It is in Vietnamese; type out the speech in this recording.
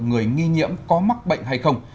người nghi nhiễm có mắc bệnh hay không